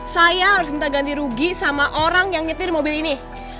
saya harus minta ganti rugi sama orang yang nyetir mobil ini